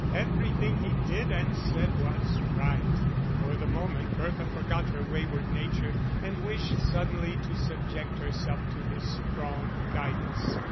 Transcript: Everything he did and said was right; for the moment Bertha forgot her wayward nature, and wished suddenly to subject herself to his strong guidance.